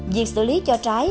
việc xử lý cho trái